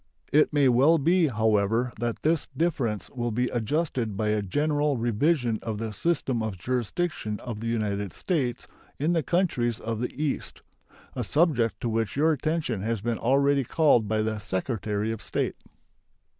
It may well be, however, that this difference will be adjusted by a general revision of the system of jurisdiction of the United States in the countries of the East, a subject to which your attention has been already called by the Secretary of State.